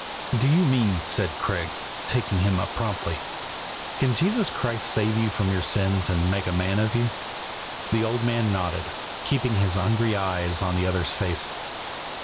"Do you mean," said Craig, taking him up promptly, "can Jesus Christ save you from your sins and make a man of you?" The old man nodded, keeping his hungry eyes on the other's face.